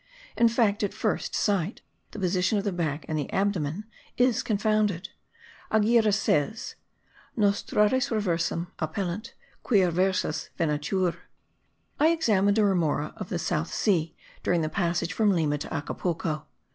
In fact, at first sight, the position of the back and the abdomen is confounded. Anghiera says: Nostrates reversum appellant, quia versus venatur. I examined a remora of the South Sea during the passage from Lima to Acapulco.